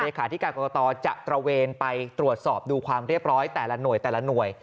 ที่การกรกตจะตระเวนไปตรวจสอบดูความเรียบร้อยแต่ละหน่วยแต่ละหน่วย